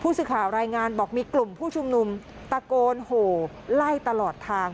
สื่อข่าวรายงานบอกมีกลุ่มผู้ชุมนุมตะโกนโหไล่ตลอดทาง